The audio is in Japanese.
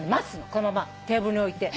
このままテーブルに置いて。